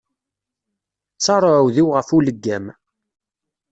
Ttaṛ uɛudiw ɣef uleggam.